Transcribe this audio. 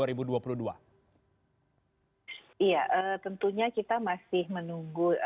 iya tentunya kita masih menunggu